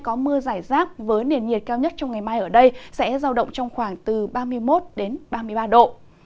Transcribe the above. có mưa giải rác với nền nhiệt cao nhất trong ngày mai ở đây sẽ giao động trong khoảng từ ba mươi một đến ba mươi ba độ